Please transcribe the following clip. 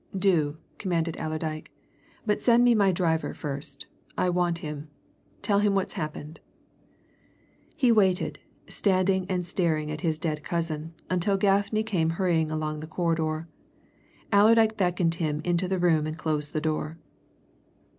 "Do!" commanded Allerdyke. "But send me my driver first I want him. Tell him what's happened." He waited, standing and staring at his dead cousin until Gaffney came hurrying along the corridor. Allerdyke beckoned him into the room and closed the door.